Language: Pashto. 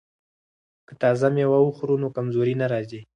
که تازه میوه وخورو نو کمزوري نه راځي.